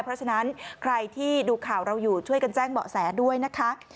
เพราะฉะนั้นใครที่ดูข่าวเราอยู่ช่วยกันแจ้งเบาะแสด้วยนะคะ